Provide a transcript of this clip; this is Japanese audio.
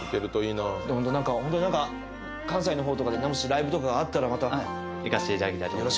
ホント何かホント何か関西のほうとかでもしライブとかがあったらまた行かせていただきたいと思います